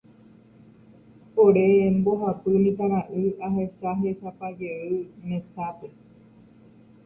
ore mbohapy mitãra'y ahechahechapajey mesápe.